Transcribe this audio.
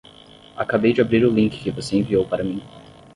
Acabei de abrir o link que você enviou para mim.